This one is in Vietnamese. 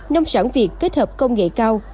nông sản việt kết hợp công nghệ cao